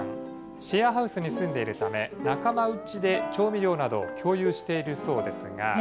シェアハウスに住んでいるため、仲間内で調味料などを共有しているそうですが。